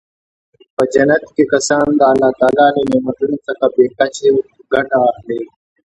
په جنت کې کسان د الله تعالی له نعمتونو څخه بې کچې ګټه اخلي.